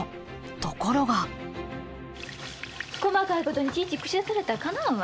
ところが細かいことにいちいち口出されたらかなわんわ。